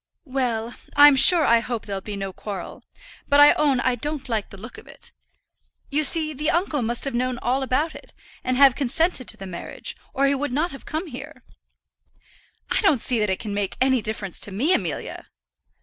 "Well; I'm sure I hope there'll be no quarrel. But I own I don't like the look of it. You see the uncle must have known all about it, and have consented to the marriage, or he would not have come here." "I don't see that it can make any difference to me, Amelia."